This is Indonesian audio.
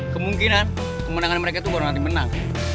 kemungkinan kemenangan mereka itu baru nanti menang